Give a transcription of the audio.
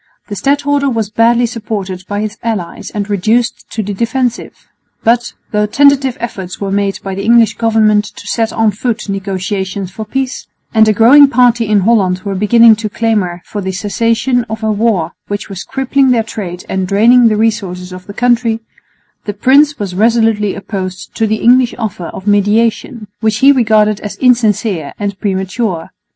The stadholder was badly supported by his allies and reduced to the defensive; but, though tentative efforts were made by the English government to set on foot negotiations for peace, and a growing party in Holland were beginning to clamour for the cessation of a war which was crippling their trade and draining the resources of the country, the prince was resolutely opposed to the English offer of mediation, which he regarded as insincere and premature.